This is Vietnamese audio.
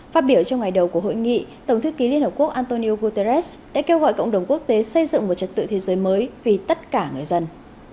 phát biểu trong ngày đầu của hội nghị tổng thư ký liên hợp quốc antonio guterres đã kêu gọi cộng đồng quốc tế xây dựng một trật tự thế giới mới vì tất cả người dân